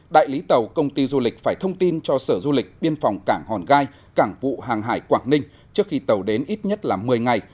đại lý tàu công ty du lịch phải thông tin cho sở du lịch biên phòng cảng hòn gai cảng vụ hàng hải quảng ninh trước khi tàu đến ít nhất là một mươi ngày